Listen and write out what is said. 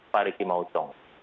pari kimau cong